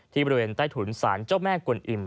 บริเวณใต้ถุนศาลเจ้าแม่กวนอิ่ม